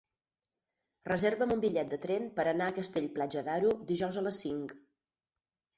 Reserva'm un bitllet de tren per anar a Castell-Platja d'Aro dijous a les cinc.